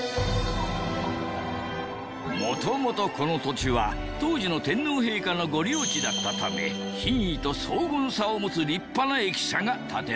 もともとこの土地は当時の天皇陛下の御料地だったため品位と荘厳さを持つ立派な駅舎が建てられたんじゃ。